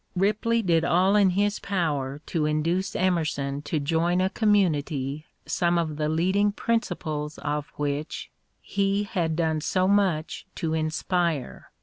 Ripley did all in his power to induce Emerson to join a community some of the leading principles of which he had done so much to inspire.